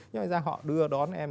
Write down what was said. nói ra họ đưa đón em